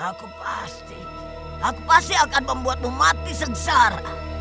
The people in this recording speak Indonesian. aku pasti aku pasti akan membuatmu mati sengsara